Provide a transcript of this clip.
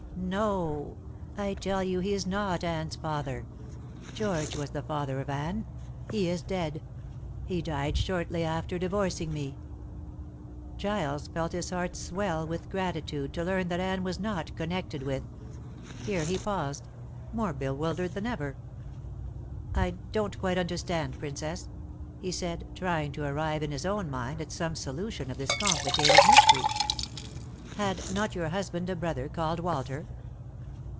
"No. I tell you he is not Anne's father. George was the father of Anne. He is dead. He died shortly after divorcing me." Giles felt his heart swell with gratitude to learn that Anne was not connected with Here he paused, more bewildered than ever. "I don't quite understand, Princess," he said, trying to arrive in his own mind at some solution of this complicated mystery. "Had not your husband a brother called Walter?"